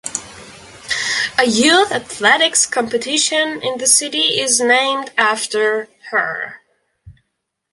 A youth athletics competition in the city is named after her.